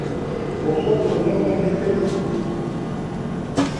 vosotros no comisteis